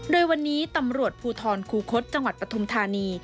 โดยวันนี้ตำรวจภูทรคูคศจังหวัดปฐุมธานี